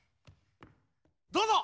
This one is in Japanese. どうぞ！